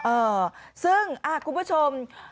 เออซึ่งคุณผู้ชม